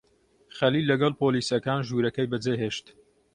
خەلیل لەگەڵ پۆلیسەکان ژوورەکەی بەجێهێشت.